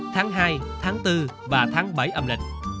tháng hai tháng bốn và tháng bảy âm lịch